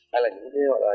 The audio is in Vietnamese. hay là những thế gọi là